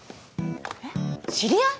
えっ知り合い？